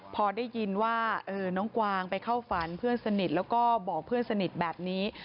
พอได้ยินว่าน้องกวางไปเข้าฝันเพื่อนสนิทแล้วก็บอกเพื่อนสนิทแบบนี้